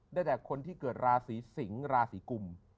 ได้จากคนที่เกิดลาศรีสิงศ์ลาศรีกุม